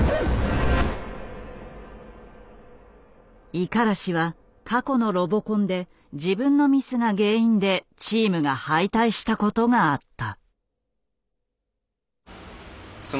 五十嵐は過去のロボコンで自分のミスが原因でチームが敗退したことがあった。